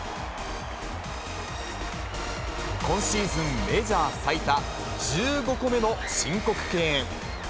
今シーズンメジャー最多１５個目の申告敬遠。